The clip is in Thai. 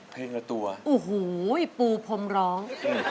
เพลงละตัวโอ้โหปูพรมร้อง